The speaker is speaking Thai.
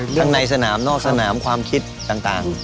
ในสนามนอกสนามความคิดต่าง